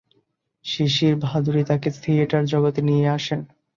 শিশির ভাদুড়ী তাঁকে থিয়েটার জগতে নিয়ে আসেন।